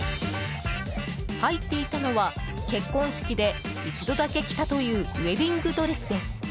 入っていたのは結婚式で１度だけ着たというウェディングドレスです。